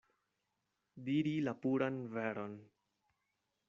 Diri la puran veron.